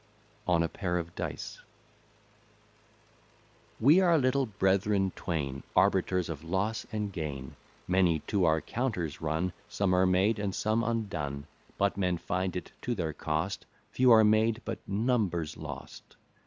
ON A PAIR OF DICE We are little brethren twain, Arbiters of loss and gain, Many to our counters run, Some are made, and some undone: But men find it to their cost, Few are made, but numbers lost.